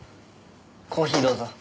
コーヒーどうぞ。